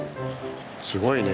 すごいね。